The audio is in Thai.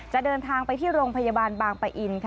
เดินทางไปที่โรงพยาบาลบางปะอินค่ะ